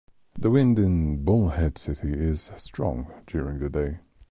The wind in Bullhead City is strong during the day.